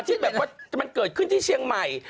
ที่แบบว่ามันเกิดขึ้นที่เชียงใหม่